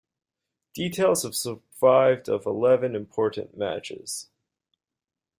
Details have survived of eleven important matches.